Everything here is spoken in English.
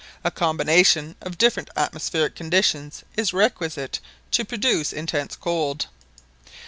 A combination of different atmospheric conditions is requisite to produce intense cold.